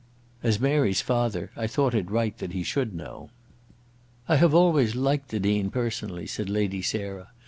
"As Mary's father, I thought it right that he should know." "I have always liked the Dean personally," said Lady Sarah.